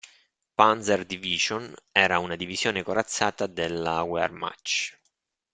Panzer-Division era una divisione corazzata della Wehrmacht.